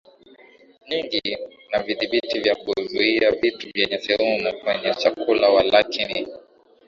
nyingi na vidhibiti vya kuzuia vitu vyenye sumu kwenye chakula Walakini